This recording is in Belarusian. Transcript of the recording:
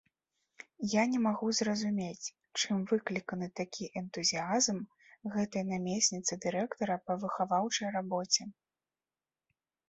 Я не магу зразумець, чым выкліканы такі энтузіязм гэтай намесніцы дырэктара па выхаваўчай рабоце.